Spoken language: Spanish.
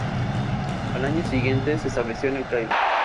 Al año siguiente se estableció en El Cairo.